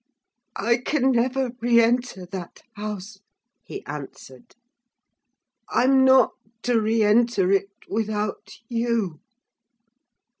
"I can never re enter that house," he answered. "I'm not to re enter it without you!"